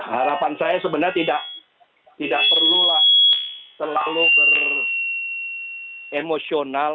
harapan saya sebenarnya tidak perlulah selalu beremosional